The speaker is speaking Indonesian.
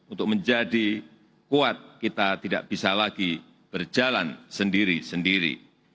untuk menjadi kuat kita tidak bisa lagi berjalan sendiri sendiri